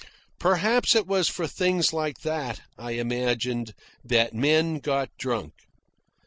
Perhaps it was for things like that, I imagined, that men got drunk.